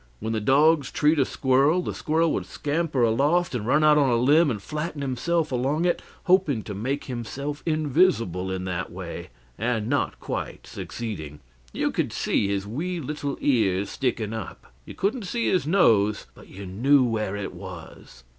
When the dogs treed a squirrel, the squirrel would scamper aloft and run out on a limb and flatten himself along it, hoping to make himself invisible in that way and not quite succeeding. You could see his wee little ears sticking up. You couldn't see his nose, but you knew where it was.